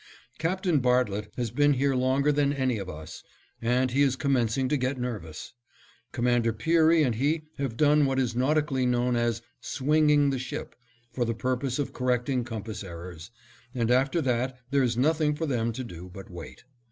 Captain Bartlett has been here longer than any of us, and he is commencing to get nervous. Commander Peary and he have done what is nautically known as "swinging the ship," for the purpose of correcting compass errors, and after that there is nothing for them to do but wait.